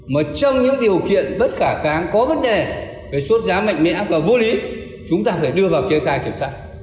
mà trong những điều kiện bất khả kháng có vấn đề về suốt giá mạnh mẽ và vô lý chúng ta phải đưa vào kê khai kiểm soát